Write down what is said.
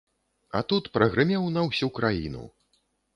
А тут прагрымеў на ўсю краіну.